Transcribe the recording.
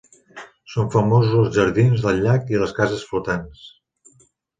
Són famosos els jardins del llac i les cases flotants.